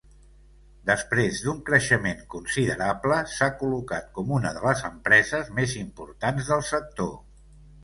Després d'un creixement considerable, s'ha col·locat com una de les empreses més importants del sector.